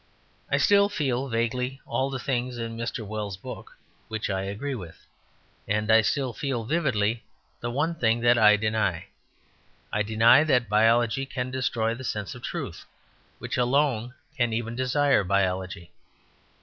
I still feel vaguely all the things in Mr. Wells's book which I agree with; and I still feel vividly the one thing that I deny. I deny that biology can destroy the sense of truth, which alone can even desire biology.